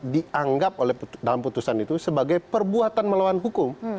dianggap dalam putusan itu sebagai perbuatan melawan hukum